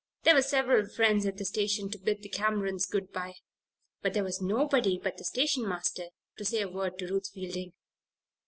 There were several friends at the station to bid the Camerons good bye; but there was nobody but the stationmaster to say a word to Ruth Fielding.